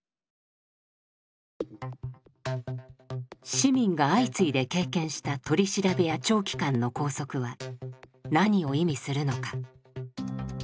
市民が相次いで経験した取り調べや長期間の拘束は何を意味するのか？